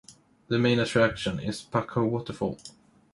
The main attraction is Pacho Waterfall.